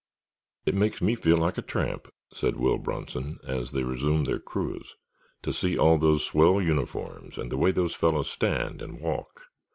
"It makes me feel like a tramp," said Will Bronson, as they resumed their cruise, "to see all those swell uniforms and the way those fellows stand and walk."